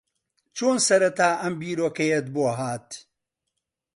چۆن سەرەتا ئەم بیرۆکەیەت بۆ ھات؟